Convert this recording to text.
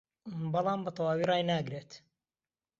بەڵام بەتەواوی ڕایناگرێت